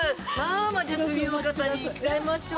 次の方に行っちゃいましょう。